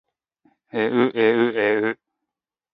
えうえうえう